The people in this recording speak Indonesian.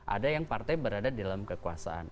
ada yang partai berada di dalam kekuasaan